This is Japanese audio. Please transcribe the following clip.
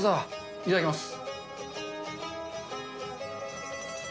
いただきます。